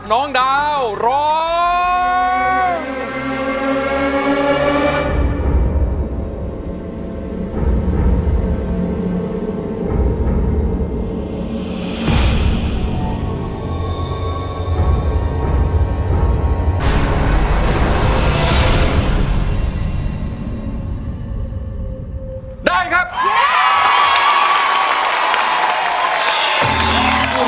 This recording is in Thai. ร้องได้ร้องได้ร้องได้ร้องได้